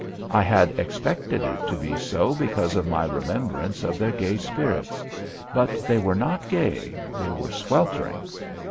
I had expected it to be so because of my remembrance of their gay spirits. But they were not gay. They were sweltering.